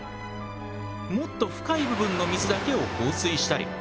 もっと深い部分の水だけを放水したり。